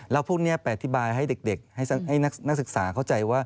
แล้วพวกนี้ไปอธิบายให้เด็กให้นักศึกษาเข้าใจว่า